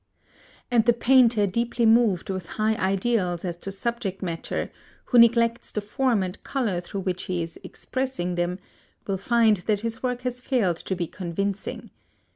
And the painter deeply moved with high ideals as to subject matter, who neglects the form and colour through which he is expressing them, will find that his work has failed to be convincing.